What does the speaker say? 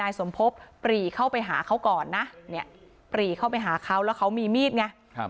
สมพบปรีเข้าไปหาเขาก่อนนะเนี่ยปรีเข้าไปหาเขาแล้วเขามีมีดไง